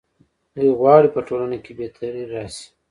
دوی غواړي په ټولنه کې بهتري راشي.